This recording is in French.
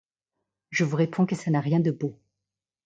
Je vous réponds que ça n'a rien de beau.